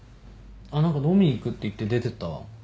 あっ何か飲みにいくって言って出てったわ。